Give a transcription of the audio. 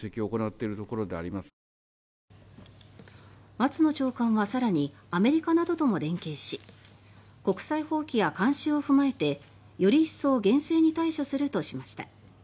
松野長官は更にアメリカなどとも連携し国際法規や慣習を踏まえてより一層厳正に対処するとしました。